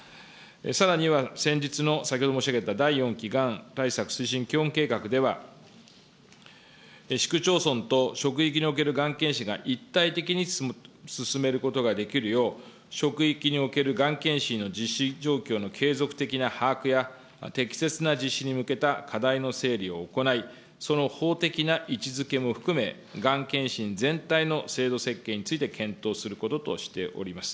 さらには先日の、先ほど申し上げた第４期がん対策推進基本計画では、市区町村と職域におけるがん検診が一体的に進めることができるよう、職域におけるがん検診の実施状況の継続的な把握や、適切な実施に向けた課題の整理を行い、その法的な位置づけも含め、がん検診全体の制度設計について検討することとしております。